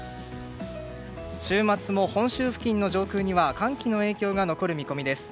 週末も本州付近の上空に寒気の影響が残る見込みです。